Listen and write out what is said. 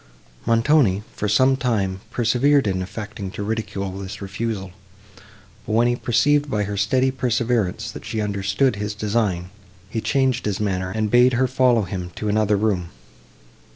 Montoni, for some time, persevered in affecting to ridicule this refusal; but, when he perceived by her steady perseverance, that she understood his design, he changed his manner, and bade her follow him to another room.